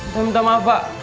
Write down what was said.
saya minta maaf pak